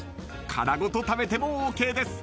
［殻ごと食べてもＯＫです］